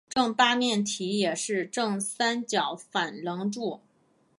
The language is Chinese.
正八面体也是正三角反棱柱。